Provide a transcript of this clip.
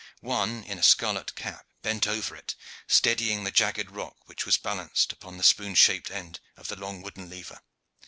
One in a scarlet cap bent over it, steadying the jagged rock which was balanced on the spoon shaped end of the long wooden lever.